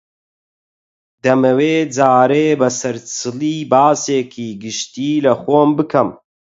دەمەوێ جارێ بە سەرچڵی باسێکی گشتی لە خۆم بکەم